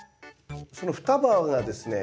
その双葉がですね